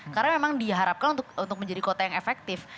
karena memang diharapkan untuk menjadi kota yang efektif